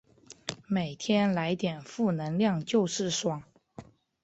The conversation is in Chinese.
每天来点负能量就是爽